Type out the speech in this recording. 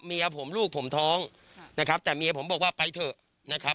เมียผมลูกผมท้องนะครับแต่เมียผมบอกว่าไปเถอะนะครับ